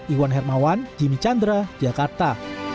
iwan hermawan jimmy chandra jakarta